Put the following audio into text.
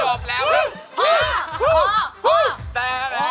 บอกแล้วครับเดี๋ยวจบแล้ว